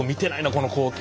この光景。